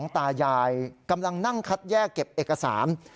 ตายายกำลังนั่งคัดแยกเก็บเอกสาร